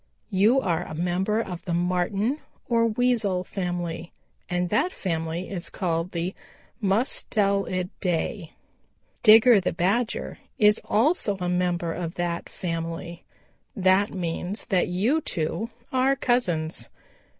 You are a member of the Marten or Weasel family, and that family is called the 'Mus tel i dae.' Digger the Badger is also a member of that family. That means that you two are cousins.